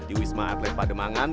di wisma atlet pademangan